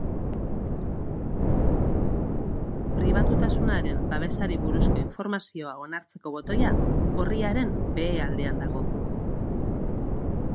Pribatutasunaren babesari buruzko informazioa onartzeko botoia orriaren behealdean dago.